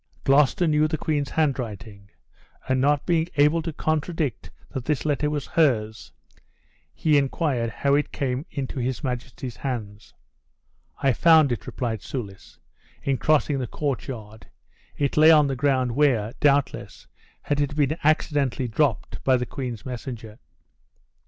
Gloucester knew the queen's handwriting; and not being able to contradict that this letter was hers, he inquired how it came into his majesty's hands. "I found it," replied Soulis, "in crossing the courtyard; it lay on the ground, where, doubtless, it had been accidentally dropped by the queen's messenger."